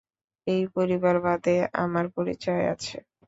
এই পরিবার বাদেও আমার পরিচয় আছে।